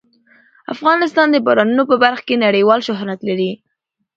افغانستان د بارانونو په برخه کې نړیوال شهرت لري.